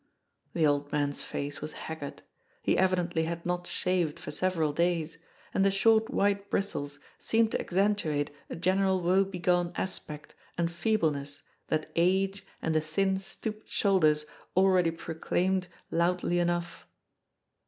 The old man's face was haggard; he evidently had not shaved for several days, and the short white bristles seemed to accentuate a general woe begone aspect and feebleness that age and the thin, stooped shoulders already proclaimed loudly enough.